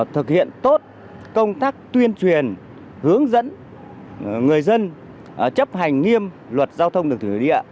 thực hiện tốt công tác tuyên truyền hướng dẫn người dân chấp hành nghiêm luật giao thông đường thủy địa